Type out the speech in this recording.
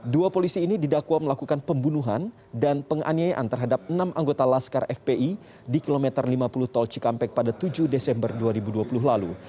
dua polisi ini didakwa melakukan pembunuhan dan penganiayaan terhadap enam anggota laskar fpi di kilometer lima puluh tol cikampek pada tujuh desember dua ribu dua puluh lalu